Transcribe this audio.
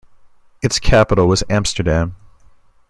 Its capital was Amsterdam.